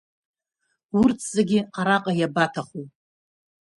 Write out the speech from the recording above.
Урҭ зегьы араҟа иабаҭаху.